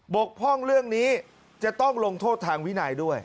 กพ่องเรื่องนี้จะต้องลงโทษทางวินัยด้วย